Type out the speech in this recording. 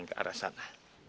ke arah sana